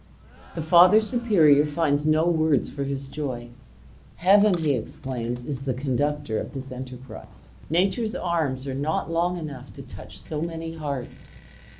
The Father Superior finds no words for his joy. "Heaven," he exclaims, "is the conductor of this enterprise. Nature's arms are not long enough to touch so many hearts."